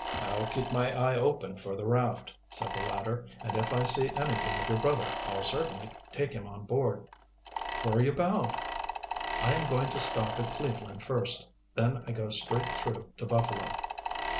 "I'll keep my eye open for the raft," said the latter. "And if I see anything of your brother I'll certainly take him on board." "Where are you bound?" "I am going to stop at Cleveland first. Then I go straight through to Buffalo."